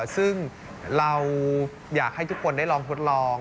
ซึ่งเราอยากให้ทุกคนได้ลองทดลอง